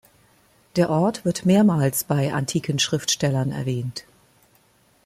Der Ort wird mehrmals bei antiken Schriftstellern erwähnt.